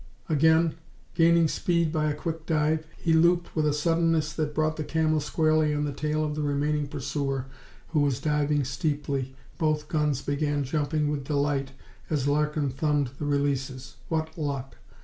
Then, gaining speed by a quick dive, he looped with a suddenness that brought the Camel squarely on the tail of the remaining pursuer who was diving steeply. Both guns began jumping with delight as Larkin thumbed the releases. What luck!